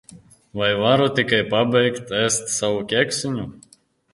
Vai varu tikai pabeigt ēst savu kēksiņu?